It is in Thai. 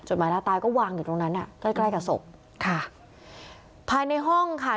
หมายหน้าตายก็วางอยู่ตรงนั้นอ่ะใกล้ใกล้กับศพค่ะภายในห้องค่ะ